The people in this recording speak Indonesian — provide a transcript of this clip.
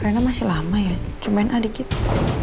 reina masih lama ya cuman adik kita